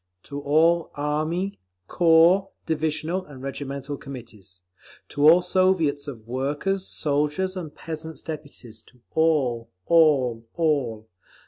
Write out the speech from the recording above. To all Army, corps, divisional and regimental Committees, to all Soviets of Workers', Soldiers' and Peasants' Deputies, to all, all, all.